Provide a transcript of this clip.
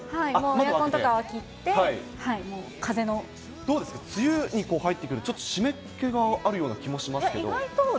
もうエアコンとかは切って、どうですか、梅雨に入ってくると、ちょっと湿りけのあるような気がしますけれども。